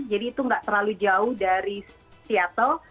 jadi itu nggak terlalu jauh dari seattle